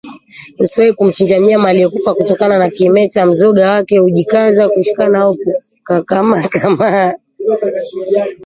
Usiwahi kumchinja mnyama aliyekufa kutokana na kimeta Mzoga wake haujikazi kushikamana au kukakamaa kama